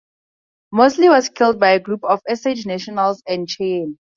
Mosley was killed by a group of Osage Nation and Cheyenne.